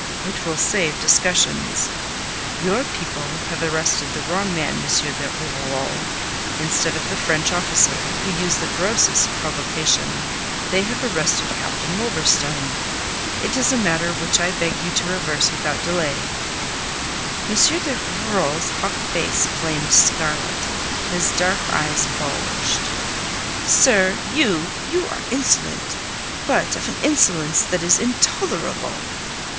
It will save discussions. Your people have arrested the wrong man, M. de Rivarol. Instead of the French officer, who used the grossest provocation, they have arrested Captain Wolverstone. It is a matter which I beg you to reverse without delay." M. de Rivarol's hawk face flamed scarlet. His dark eyes bulged. "Sir, you... you are insolent! But of an insolence that is intolerable!"